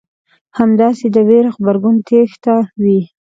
همداسې د وېرې غبرګون تېښته وي.